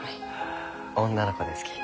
女の子ですき。